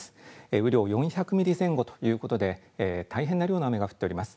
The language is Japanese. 雨量４００ミリ前後ということで大変な量の雨が降っております。